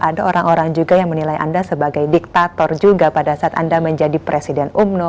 ada orang orang juga yang menilai anda sebagai diktator juga pada saat anda menjadi presiden umno